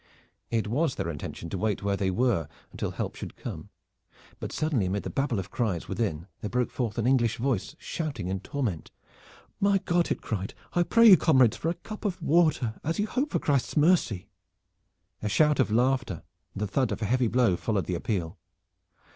It was their intention to wait where they were until help should come, but suddenly amid the babel of cries within there broke forth an English voice, shouting in torment. "My God!" it cried, "I pray you, comrades, for a cup of water, as you hope for Christ's mercy!" A shout of laughter and the thud of a heavy blow followed the appeal.